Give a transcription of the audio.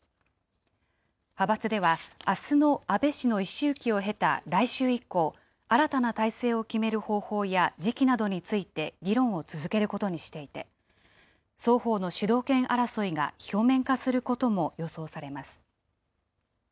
派閥では、あすの安倍氏の一周忌を経た来週以降、新たな体制を決める方法や時期などについて議論を続けることにしていて、双方の主導権争いが表面化することも予想されます。